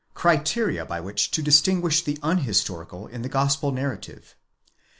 CRITERIA BY WHICH TO DISTINGUISH THE UNHISTORICAL IN THE GOSPEL NARRATIVE.